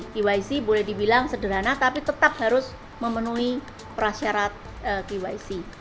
kyc boleh dibilang sederhana tapi tetap harus memenuhi prasyarat kyc